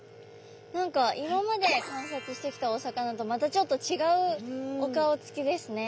何か今まで観察してきたお魚とまたちょっと違うお顔つきですね。